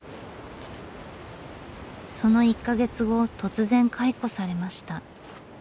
その１か月後突然解雇されました。